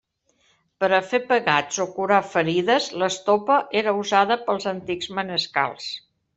Per a fer pegats o curar ferides, l'estopa era usada pels antics manescals.